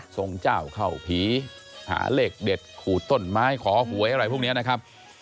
ส่งเจ้าเข้าผีหาเลขเด็ดขูดต้นไม้ขอหวยอะไรพวกนี้นะครับ